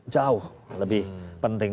jauh lebih penting